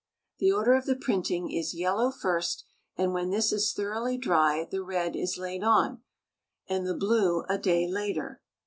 The order of the printing is yellow first, and when this is thoroughly dry the red is laid on, and the blue a day later.